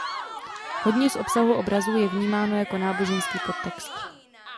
Hodně z obsahu obrazů je vnímáno jako náboženský podtext.